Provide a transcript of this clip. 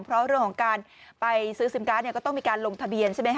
เพราะเรื่องของการไปซื้อซิมการ์ดก็ต้องมีการลงทะเบียนใช่ไหมค